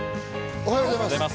おはようございます。